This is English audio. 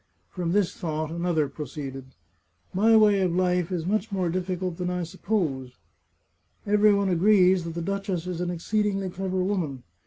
From this thought another proceeded :" My way of life is much more difficult than I supposed. Every one agrees that the duchess is an exceedingly clever woman.